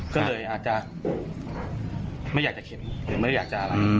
ก็เลยอาจจะไม่อยากจะเข็นหรือไม่อยากจะอะไร